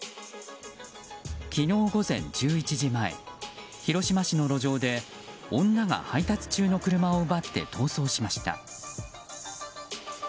昨日午前１１時前広島市の路上で女が配達中の車を奪って逃走しました。